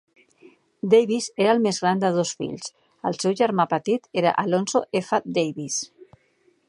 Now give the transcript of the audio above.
Davis era el més gran de dos fills, el seu germà petit era Alonzo F. Davis.